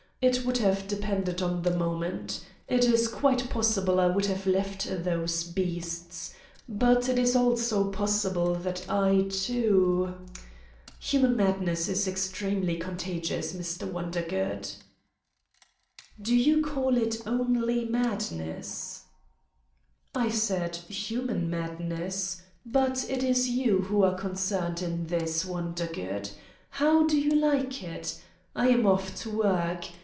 It would have de pended on the moment. It is quite possible I would have left those beasts, but it is also pos sible that I too ... human madness is ex tremely contagious, Mr. Wondergood!" "Do you call it only madness?" "I said: human madness. But it is you who are concerned in this, Wondergood: how do you like it? I am off to work.